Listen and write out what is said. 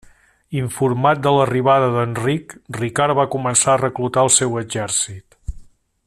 Informat de l'arribada d'Enric, Ricard va començar a reclutar el seu exèrcit.